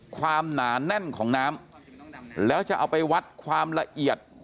หนาแน่นของน้ำแล้วจะเอาไปวัดความละเอียด